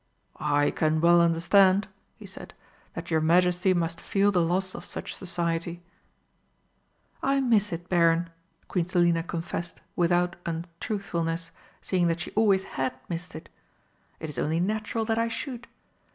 "I can well understand," he said, "that your Majesty must feel the loss of such society." "I miss it, Baron," Queen Selina confessed, without untruthfulness, seeing that she always had missed it. "It is only natural that I should.